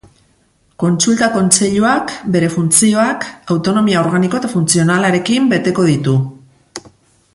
Kontsulta Kontseiluak, bere funtzioak, autonomia organiko eta funtzionalarekin beteko ditu.